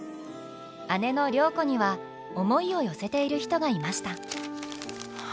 姉の良子には思いを寄せている人がいました。